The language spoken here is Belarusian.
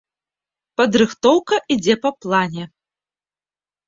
Падрыхтоўка ідзе па плане.